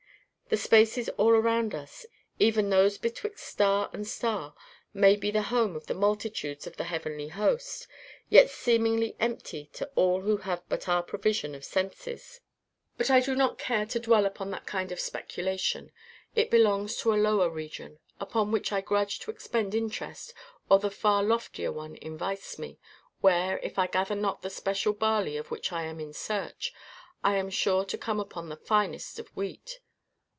The spaces all around us, even to those betwixt star and star, may be the home of the multitudes of the heavenly host, yet seemingly empty to all who have but our provision of senses. But I do not care to dwell upon that kind of speculation. It belongs to a lower region, upon which I grudge to expend interest while the far loftier one invites me, where, if I gather not the special barley of which I am in search, I am sure to come upon the finest of wheat.